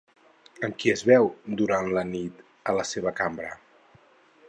Amb qui es veu durant la nit a la seva cambra?